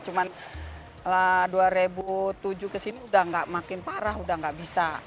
cuma dua ribu tujuh ke sini udah gak makin parah udah gak bisa